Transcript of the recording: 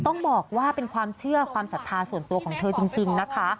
ต้องบอกว่าเป็นความเชื่อความศรัทธาส่วนตัวของเธอจริงนะคะ